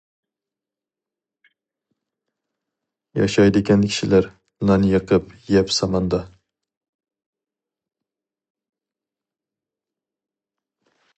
ياشايدىكەن كىشىلەر، نان يېقىپ يەپ ساماندا.